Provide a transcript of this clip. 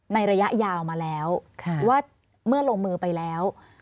ระยะยาวมาแล้วว่าเมื่อลงมือไปแล้ว